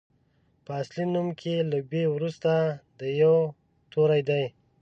په اصلي نوم کې له بي وروسته د يوو توری دی.